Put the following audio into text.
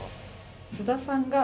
津田さんが。